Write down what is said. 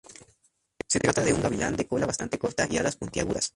Se trata de un gavilán de cola bastante corta y alas puntiagudas.